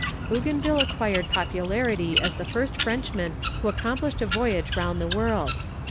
Bougainville acquired popularity as the first Frenchman who accomplished a voyage round the world.